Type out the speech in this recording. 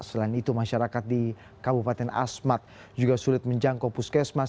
selain itu masyarakat di kabupaten asmat juga sulit menjangkau puskesmas